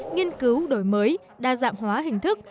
nghiên cứu đổi mới đa dạng hóa hình thức